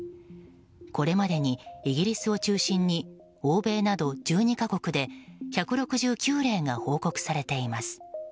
これまでにイギリスを中心に欧米など１２か国で１６９例が報告されています。